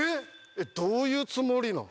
えっどういうつもりなん？